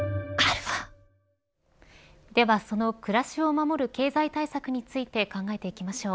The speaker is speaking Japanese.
では、その暮らしを守る経済対策について考えていきましょう。